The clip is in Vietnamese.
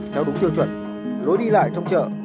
theo đúng tiêu chuẩn lối đi lại trong chợ